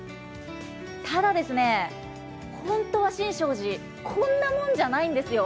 ただ、本当は神勝寺、こんなもんじゃないんですよ。